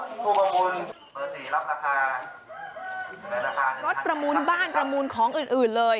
เบอร์๔รับราคารถประมูลบ้านประมูลของอื่นเลย